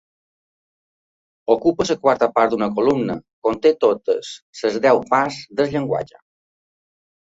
Ocupa la quarta part d'una columna; conté totes les deu parts del llenguatge.